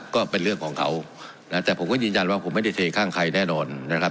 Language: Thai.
ก็เป็นเรื่องของเขานะแต่ผมก็ยืนยันว่าผมไม่ได้เทข้างใครแน่นอนนะครับ